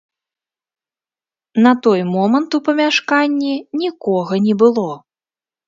На той момант у памяшканні нікога не было.